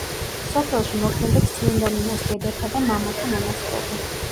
სოფელში მოქმედებს წმინდა ნინოს დედათა და მამათა მონასტრები.